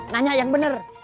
nanya yang bener